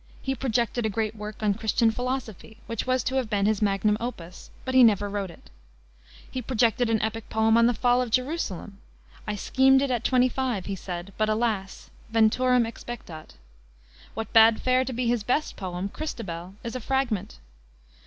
He projected a great work on Christian philosophy, which was to have been his magnum opus, but he never wrote it. He projected an epic poem on the fall of Jerusalem. "I schemed it at twenty five," he said, "but, alas! venturum expectat." What bade fair to be his best poem, Christabel, is a fragment.